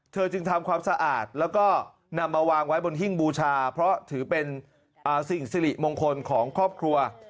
จึงทำความสะอาดแล้วก็นำมาวางไว้บนหิ้งบูชาเพราะถือเป็นสิ่งสิริมงคลของครอบครัว